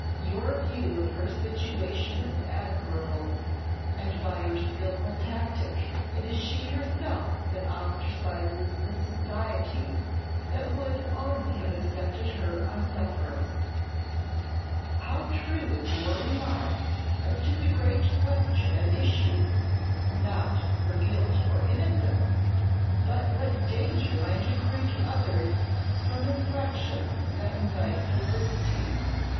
Your view of her situation is admirable, and, by your skilful tactique, it is she herself that ostracizes the society that would only have accepted her on sufferance. How true is your remark as to the great question at issue, not her guilt or innocence, but what danger might accrue to others from infractions that invite publicity.